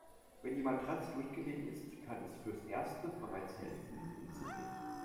Wenn die Matratze durchgelegen ist, kann es fürs Erste bereits helfen, sie umzudrehen.